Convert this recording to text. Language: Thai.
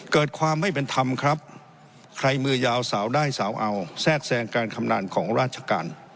เกิดความไม่เป็นธรรมครับใครมือยาวสาวได้สาวเอาแทรกแทรงการคำนานของราชการ